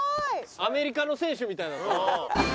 アメリカの選手みたいだったな。